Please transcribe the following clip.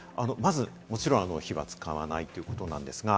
もちろん火は使わないということです。